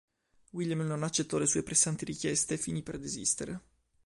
William non accettò le sue pressanti richieste e finì per desistere.